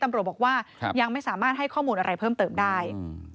ตำรวจบอกว่ายังไม่สามารถให้ข้อมูลอะไรเพิ่มเติมได้